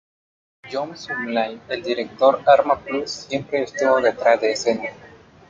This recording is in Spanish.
John Sublime, el director de Arma Plus, siempre estuvo detrás de escena.